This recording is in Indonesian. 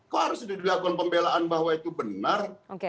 kok harus dilakukan pembelaan bahwa itu benar